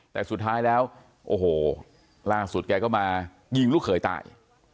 แต่สุดท้ายแล้วโอ้โหล่าสุดแกก็มายิงลูกเขยตาย